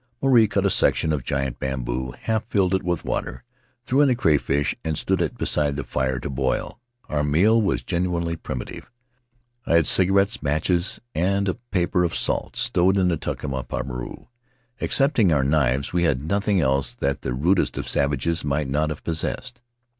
Maruae cut a section of giant bamboo, half filled it with water, threw in the crayfish, and stood it beside the fire to boil. Our meal was genuinely primitive; I had cigarettes, matches, and a paper of salt stowed in the tuck of my pareu — excepting our knives, we had nothing else that the rudest of savages might not have possessed.